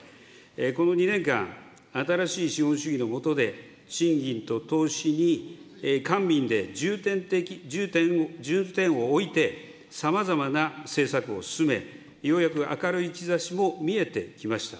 この２年間、新しい資本主義のもとで、賃金と投資に官民で重点を置いて、さまざまな政策を進め、ようやく明るい兆しも見えてきました。